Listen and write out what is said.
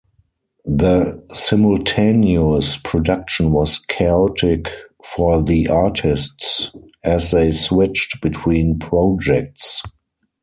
The simultaneous production was chaotic for the artists, as they switched between projects.